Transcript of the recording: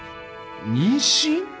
妊娠？